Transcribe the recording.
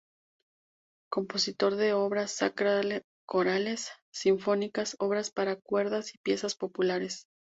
Compositor de obras sacras, corales, sinfónicas, obras para cuerdas y piezas populares.